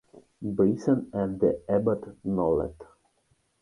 Brisson and the abbot Nollet.